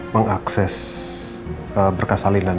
mengakses berkas salinan